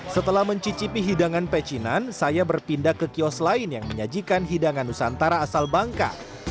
setelah mencicipi hidangan pecinan saya berpindah ke kios lain yang menyajikan hidangan nusantara asal bangka